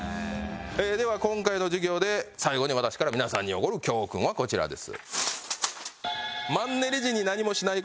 では今回の授業で最後に私から皆さんに贈る教訓はこちらです。